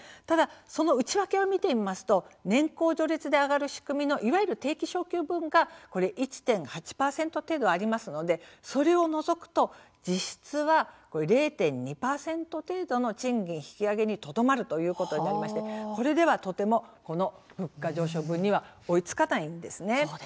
ただ、その内訳を見てみますと年功序列で上がる仕組みのいわゆる定期昇給分が１．８％程度ありますのでそれを除くと実質は０．２％程度の賃金引上げにとどまるということになりましてこれでは、とてもこの物価上昇分には追いつかないんですね。